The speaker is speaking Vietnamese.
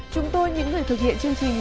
chúng tôi những người thực hiện chương trình